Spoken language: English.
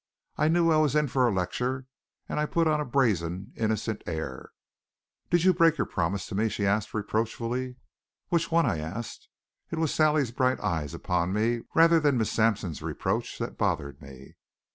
I knew I was in for a lecture, and I put on a brazen, innocent air. "Did you break your promise to me?" she asked reproachfully. "Which one?" I asked. It was Sally's bright eyes upon me, rather than Miss Sampson's reproach, that bothered me.